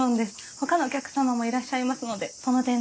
ほかのお客様もいらっしゃいますのでその点だけお願いします。